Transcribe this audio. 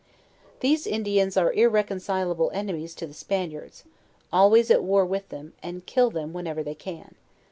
These Indians are irreconcilable enemies to the Spaniards, always at war with them, and kill them when ever they can.